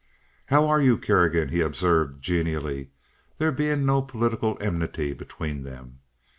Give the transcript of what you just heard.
"How are you, Kerrigan?" he observed, genially, there being no political enmity between them.